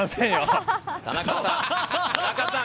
田中さん！